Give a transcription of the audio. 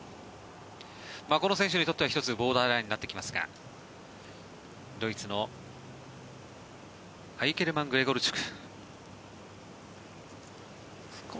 この選手にとっては１つボーダーラインになってきますがドイツのアイケルマン・グレゴルチュク。